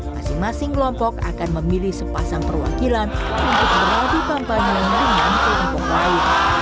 masing masing kelompok akan memilih sepasang perwakilan untuk beradu kampanye dengan kelompok lain